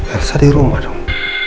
elsa dirumah dong